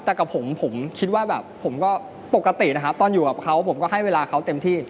แต่กับผมผมคิดว่าแบบผมก็ปกตินะครับตอนอยู่กับเขาผมก็ให้เวลาเขาเต็มที่